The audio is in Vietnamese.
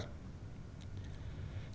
trong cách ứng xử với tự nhiên